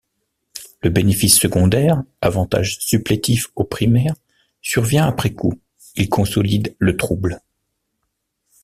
Le bénéfice secondaire, avantage supplétif au primaire, survient après coup, il consolide le trouble.